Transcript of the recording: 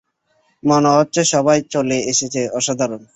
মনে হচ্ছে সবাই চলে এসেছে, অসাধারণ।